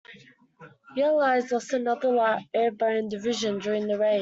The allies lost another airborne division during the raid.